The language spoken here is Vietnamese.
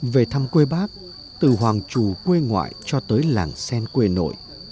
về thăm quê bác từ hoàng trù quê ngoại cho tới làng sen quê nội